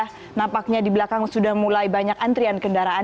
karena nampaknya di belakang sudah mulai banyak antrian kendaraan